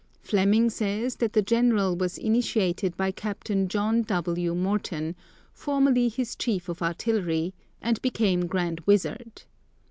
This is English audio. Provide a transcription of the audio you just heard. Fleming says that the general was initiated by Captain John W. Morton, formerly his chief of artillery, and became Grand Wizard.